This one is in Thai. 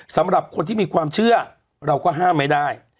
สำหรับคนที่มีความเชื่อเราก็ห้ามไม่ได้